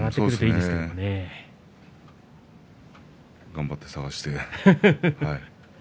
頑張って探して。